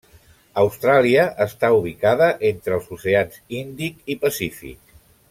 Austràlia està ubicada entre els oceans Índic i Pacífic.